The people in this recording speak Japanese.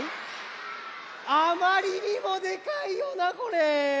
あまりにもでかいよなこれ。